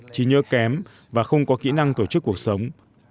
trí nhớ kém và không có kỹ năng tổ chức cuộc sống